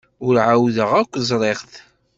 Ur ɛawdeɣ akk ẓriɣ-t.